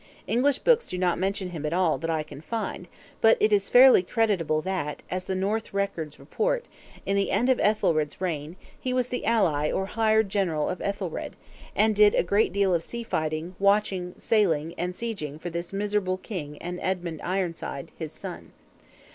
English books do not mention him at all that I can find; but it is fairly credible that, as the Norse records report, in the end of Ethelred's reign, he was the ally or hired general of Ethelred, and did a great deal of sea fighting, watching, sailing, and sieging for this miserable king and Edmund Ironside, his son.